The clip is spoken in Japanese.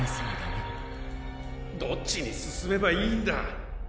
どっちにすすめばいいんだ！